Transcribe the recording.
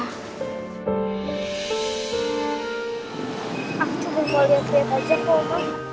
aku tuh mau liat liat aja kok oma